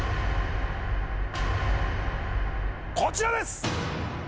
こちらです